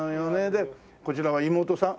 でこちらは妹さん？